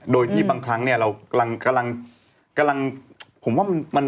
โดยที่บางครั้งเนี่ยเรากำกำลัง